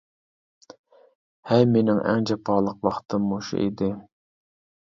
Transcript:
ھەي مېنىڭ ئەڭ جاپالىق ۋاقتىم مۇشۇ ئىدى.